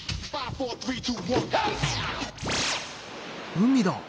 海だ。